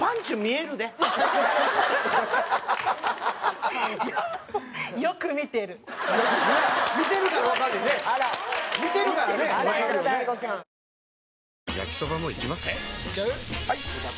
えいっちゃう？